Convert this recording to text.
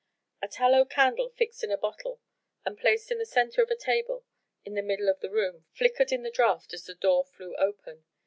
A tallow candle fixed in a bottle and placed in the centre of a table in the middle of the room flickered in the draught as the door flew open.